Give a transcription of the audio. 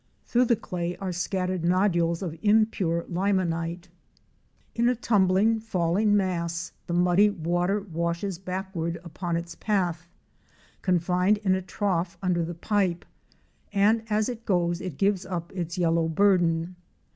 Through the clay are scattered nodules of im pure limonite. In a tumbling, falling mass the muddy water washes back upon its path, confined in a trough under the pipe, and as it goes it gives up its yellow burden.